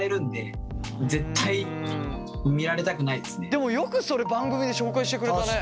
でもよくそれ番組で紹介してくれたね。